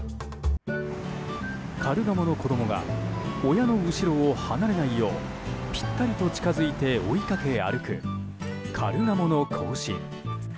カルガモの子供が親の後ろを離れないようぴったりと近づいて追いかけ歩く、カルガモの行進。